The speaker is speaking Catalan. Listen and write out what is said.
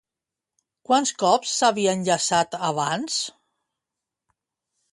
Quants cops s'havia enllaçat, abans?